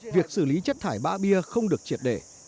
việc xử lý chất thải bã bia không được triệt để